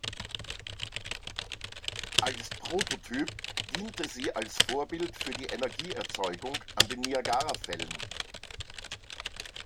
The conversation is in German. Als Prototyp diente sie als Vorbild für die Energieerzeugung an den Niagarafällen.